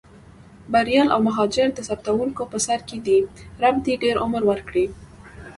بریال او مهاجر د ثبتوونکو په سر کې دي، رب دې ډېر عمر ورکړي.